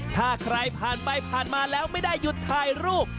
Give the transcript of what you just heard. ถ้าใครผ่านไปผ่านมาแล้วไม่ได้หยุดถ่ายรูป